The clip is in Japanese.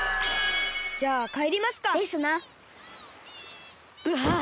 じゃあかえりますか。ですな。ブハッ！